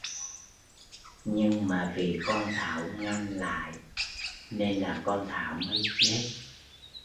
Nhưng mà vì con Thảo ngăn lại nên là con Thảo mới chết